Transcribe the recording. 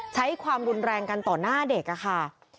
ใช้ความรุนแรงกันต่อหน้าเด็กค่ะ